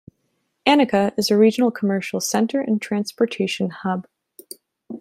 Annaka is a regional commercial center and transportation hub.